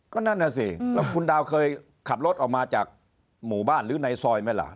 ก็นั่นน่ะสิแล้วคุณดาวเคยขับรถออกมาจากหมู่บ้านหรือในซอยไหมล่ะ